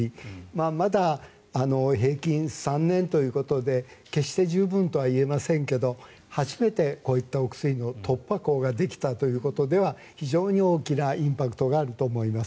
まだ平均３年ということで決して十分とは言えませんが初めてこういったお薬の突破口ができたということでは非常に大きなインパクトがあると思います。